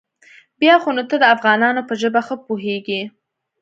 بيا خو نو ته د افغانانو په ژبه ښه پوېېږې.